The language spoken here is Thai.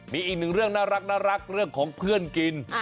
มีอีกหนึ่งเรื่องน่ารักเรื่องของเพื่อนกิน